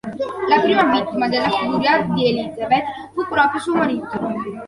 La prima vittima della furia di Elizabeth fu proprio suo marito.